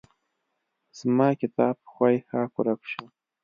زما کتاب ښوی ښهاک ورک شو.